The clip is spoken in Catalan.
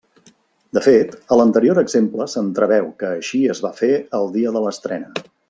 De fet, a l'anterior exemple s'entreveu que així es va fer el dia de l'estrena.